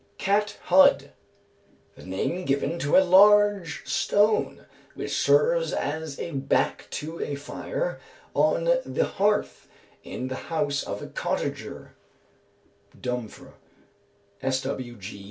Cat hud. The name given to a large stone, which serves as a back to a fire on the hearth in the house of a cottager (Dumfr.).